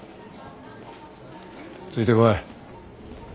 ついてこい。